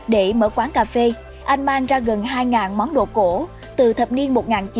để mở quán cà phê anh mang ra gần hai món đồ cổ từ thập niên một nghìn chín trăm bảy mươi